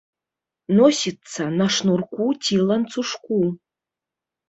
Носіцца на шнурку ці ланцужку.